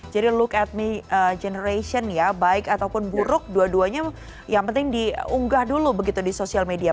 jadi look at me generation ya baik ataupun buruk dua duanya yang penting diunggah dulu begitu di sosial media